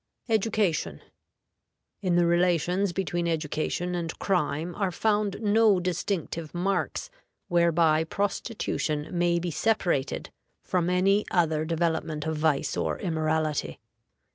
EDUCATION. In the relations between education and crime are found no distinctive marks whereby prostitution may be separated from any other development of vice or immorality.